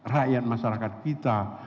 rakyat masyarakat kita